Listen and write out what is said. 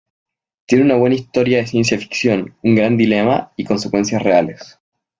Tiene una buena historia de ciencia ficción, un gran dilema, y consecuencias reales".